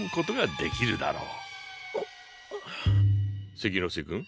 関ノ瀬君？